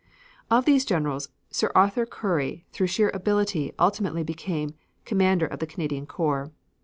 Of these generals, Sir Arthur Currie through sheer ability ultimately became commander of the Canadian corps.